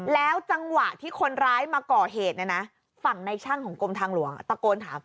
แล้วจังหวะที่คนร้ายมาก่อเหตุเนี่ยนะฝั่งในช่างของกรมทางหลวงตะโกนถาม